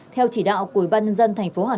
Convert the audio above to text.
theo chỉ đạo của ubnd tp hà nội